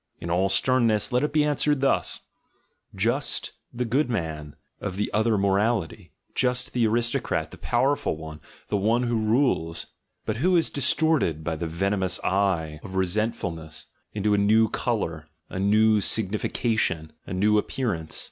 In all sternness let it be answered thus: — just the good man of the other morality, just the aristocrat, the powerful one, the one who rules, but who is distorted by the venomous eye of resentfulnese, into a new colour, a new signification, a new appearance.